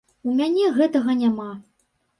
У мяне гэтага няма.